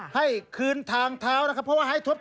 ให้คืนทางเถ้านะครับ